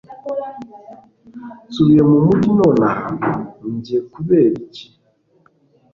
nsubiye mumugi nonaha! njye kuberiki se